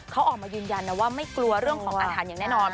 เขาออกมายืนยันนะว่าไม่กลัวเรื่องของอาหารอย่างแน่นอน